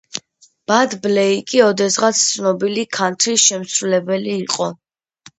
ბად ბლეიკი ოდესღაც ცნობილი ქანთრის შემსრულებელი იყო.